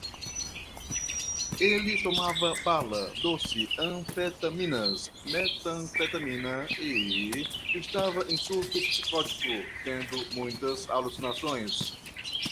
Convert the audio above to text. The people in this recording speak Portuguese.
Ele tomava bala, doce, anfetaminas, metanfetamina e estava em surto psicótico, tendo muitas alucinações